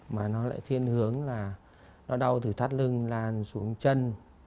mà nó lại thiên hướng là nó đau từ thắt lưng lan xuống chân